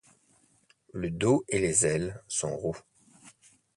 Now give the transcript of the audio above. Le dos et les ailes sont roux.